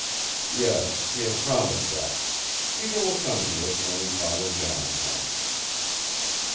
"Yes. He has promised that. Peter will come to us when Father John comes."